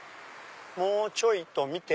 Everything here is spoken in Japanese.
もうちょいと見て。